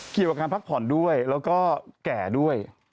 เกี่ยวกับการพักผ่อนด้วยแล้วก็แก่ด้วย